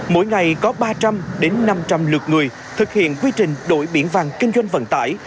mỗi ngày có ba trăm linh năm trăm linh lượt người thực hiện quy trình đổi biển vàng kinh doanh vận tải